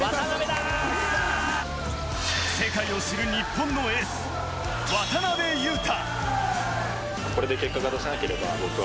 世界を知る日本のエース・渡邊雄太。